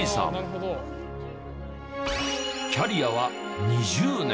キャリアは２０年。